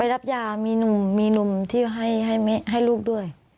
ไปรับยามีนุ่มที่ให้ลูกด้วย